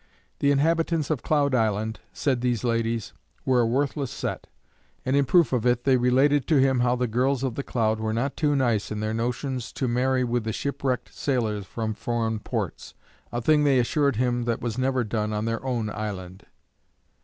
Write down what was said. The inhabitants of Cloud Island, said these ladies, were a worthless set; and in proof of it they related to him how the girls of The Cloud were not too nice in their notions to marry with the shipwrecked sailors from foreign boats, a thing they assured him that was never done on their own island.